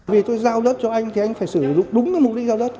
vì tôi giao đất cho anh thì anh phải sử dụng đúng cái mục đích giao đất